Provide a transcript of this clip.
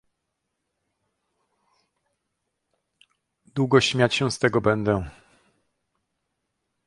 "Długo śmiać się z tego będę."